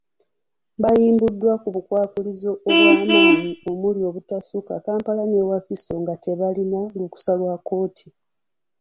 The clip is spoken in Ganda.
Bayimbudwa ku bukwakkulizo obwamaanyi omuli obutasukka Kampala ne Wakiso nga tebalina lukkusa lwa kkooti.